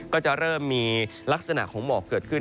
ก็จะเริ่มมีลักษณะของหมอกเกิดขึ้น